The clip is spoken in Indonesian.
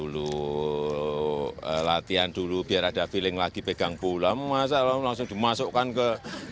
latihan dulu biar ada piling lagi pegang bola masalah langsung dimasukkan ke